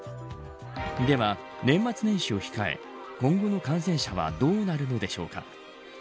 では、年末年始を控え今後の感染者はどうなるのでしょうか。